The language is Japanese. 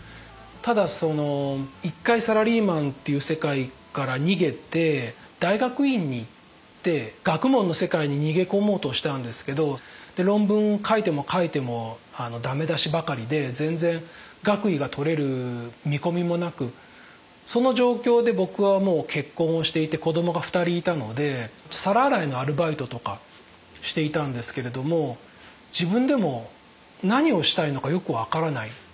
ただその一回サラリーマンっていう世界から逃げて大学院に行って学問の世界に逃げ込もうとしたんですけど論文を書いても書いても駄目出しばかりで全然学位が取れる見込みもなくその状況で僕はもう結婚をしていて子供が２人いたので皿洗いのアルバイトとかしていたんですけれども自分でも何をしたいのかよく分からない。